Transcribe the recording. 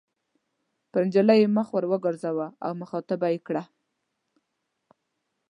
پر نجلۍ یې مخ ور وګرځاوه او مخاطبه یې کړه.